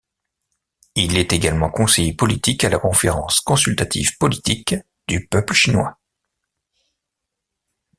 Il est également conseiller politique à la conférence consultative politique du peuple chinois.